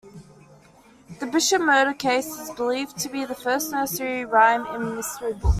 "The Bishop Murder Case" is believed to be the first nursery-rhyme mystery book.